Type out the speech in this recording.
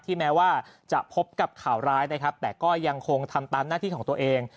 แม้ว่าจะพบกับข่าวร้ายนะครับแต่ก็ยังคงทำตามหน้าที่ของตัวเอง